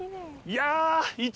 いや。